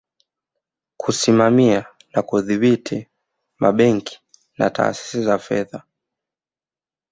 Kusimamia na kudhibiti mabenki na taasisi za fedha